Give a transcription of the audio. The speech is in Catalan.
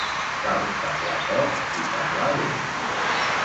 Cal parlar poc i parlar bé.